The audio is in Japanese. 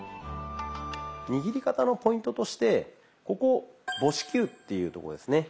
握り方のポイントとしてここ母指球っていうとこですね。